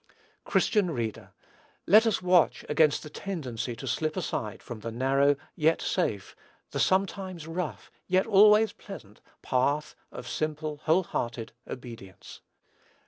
Christian reader, let us watch against the tendency to slip aside from the narrow, yet safe, the sometimes rough, yet always pleasant, path of simple, wholehearted obedience.